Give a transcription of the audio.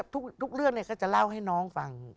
ทุกเรื่องก็จะเล่าให้น้องฟัง